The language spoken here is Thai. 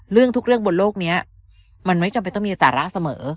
เรื่องทุกเรื่องบนโลกนี้มันไม่จำเป็นต้องมีสาระเสมอ